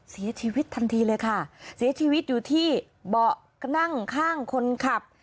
เสียชีวิตทันทีเลยค่ะเสียชีวิตอยู่ที่เบาะนั่งข้างคนขับ